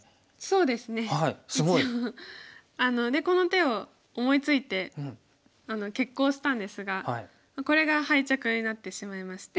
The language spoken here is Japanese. でこの手を思いついて決行したんですがこれが敗着になってしまいまして。